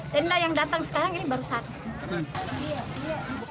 tenda yang datang sekarang ini baru satu